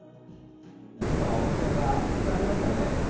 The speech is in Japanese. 群馬は温泉がたくさんありますからね。